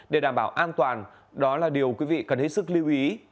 để đảm bảo an toàn đó là điều quý vị cần hết sức lưu ý